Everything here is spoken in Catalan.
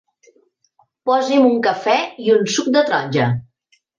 Posi'm un cafè i un suc de taronja.